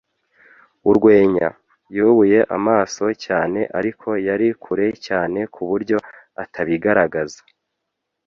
urwenya. Yubuye amaso cyane, ariko yari kure cyane ku buryo atabigaragaza